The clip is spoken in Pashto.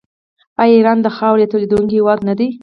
آیا ایران د خاویار تولیدونکی هیواد نه دی؟